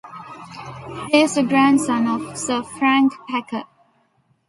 He is the grandson of Sir Frank Packer.